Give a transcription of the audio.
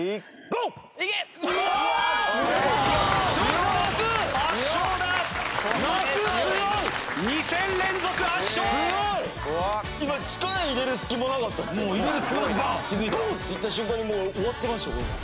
「ゴー！」って言った瞬間にもう終わってました。